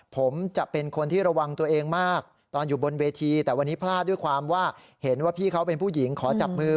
ผมจะเป็นคนที่ระวังตัวเองมากตอนอยู่บนเวทีแต่วันนี้พลาดด้วยความว่าเห็นว่าพี่เขาเป็นผู้หญิงขอจับมือ